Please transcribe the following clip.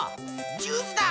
ジュースだ！